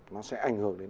nó sẽ ảnh hưởng đến